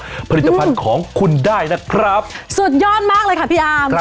ผลิตภัณฑ์ของคุณได้นะครับสุดยอดมากเลยค่ะพี่อาร์ม